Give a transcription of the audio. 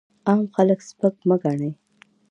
عام خلک سپک مه ګڼئ!